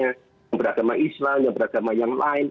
yang beragama islam yang beragama yang lain